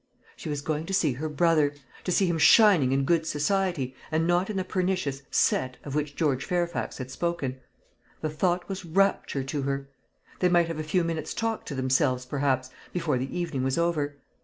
She was going to see her brother to see him shining in good society, and not in the pernicious "set" of which George Fairfax had spoken. The thought was rapture to her. They might have a few minutes' talk to themselves, perhaps, before the evening was over.